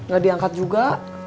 gak diangkat juga